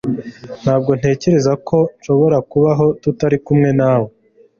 Ntabwo ntekereza ko nshobora kubaho tutari kumwe nawe